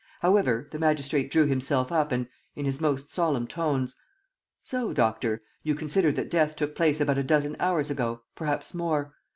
However, the magistrate drew himself up and, in his most solemn tones: "So, doctor, you consider that death took place about a dozen hours ago, perhaps more!